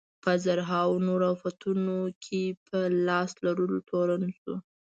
په زرهاوو نورو افتونو کې په لاس لرلو تورن شو.